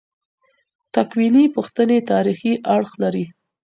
تکویني پوښتنې تاریخي اړخ لري.